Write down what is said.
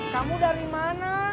kamu dari mana